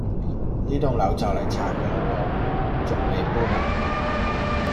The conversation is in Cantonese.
呢幢樓就嚟拆架嘞喎，重未搬呀？